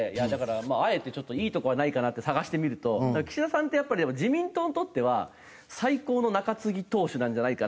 あえてちょっといいとこはないかなって探してみると岸田さんってやっぱりでも自民党にとっては最高の中継ぎ投手なんじゃないかなと思ってて。